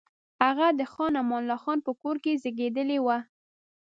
هغه د خان امان الله خان په کور کې زېږېدلی وو.